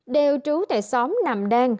đều trú tại xóm nam đan